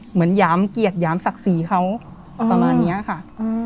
เหมือนหยามเกียรติหยามศักดิ์ศรีเขาอืมประมาณเนี้ยค่ะอืม